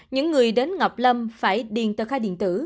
những người đến ngọc lâm phải điền tờ khai điện tử